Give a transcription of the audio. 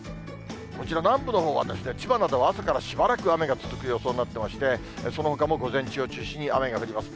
こちら、南部のほうは、千葉などは朝からしばらく雨が続く予想になってまして、そのほかも午前中を中心に雨が降ります。